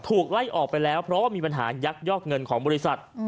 ไล่ออกไปแล้วเพราะว่ามีปัญหายักยอกเงินของบริษัท